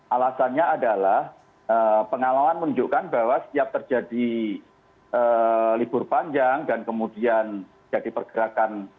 alasannya adalah pengalaman menunjukkan bahwa setiap terjadi libur panjang dan kemudian jadi pergerakan